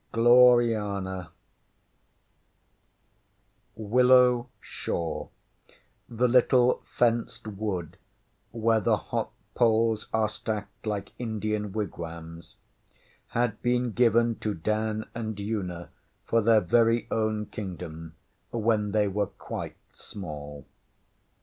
Gloriana Willow Shaw, the little fenced wood where the hop poles are stacked like Indian wigwams, had been given to Dan and Una for their very own kingdom when they were quite small.